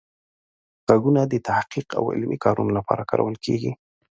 غږونه د تحقیق او علمي کارونو لپاره کارول کیږي.